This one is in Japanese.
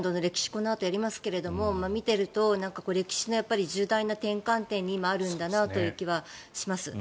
このあとやりますが見ていると歴史の重大な転換点に今、あるんだなという気はします。